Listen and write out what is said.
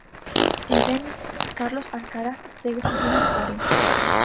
En tenis, Carlos Alcaraz segue facendo historia.